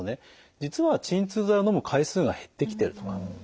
実は鎮痛剤をのむ回数が減ってきてるとか。